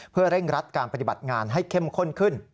เพื่อเร่งรัดการปฏิบัติงานให้เข้มข้นขึ้น